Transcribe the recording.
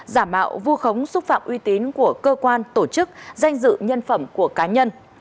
giả mạo vu khống xúc phạm uy tín của cơ quan tổ chức danh dự nhân phẩm của cá nhân